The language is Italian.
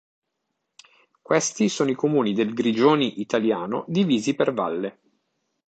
Questi sono i comuni del Grigioni italiano divisi per valle.